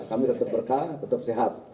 kami tetap berkah tetap sehat